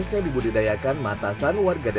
tiap panennya atau tiap tangan